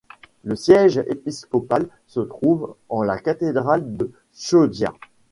Le siège épiscopal se trouve en la cathédrale de Chioggia.